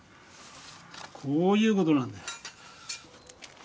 こういうことなんだよ。